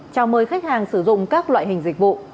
chào mời khách hàng sử dụng các loại hình dịch vụ